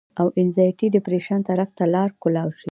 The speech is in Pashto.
او انزائټي ډپرېشن طرف ته لار کولاو شي